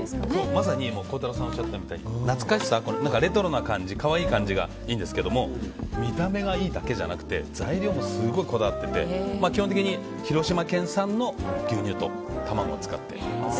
まさに孝太郎さんがおっしゃったみたいに懐かしさ、レトロな感じ可愛い感じがいいんですけど見た目がいいだけじゃなくて材料もすごいこだわってて基本的に広島県産の牛乳と卵を使っています。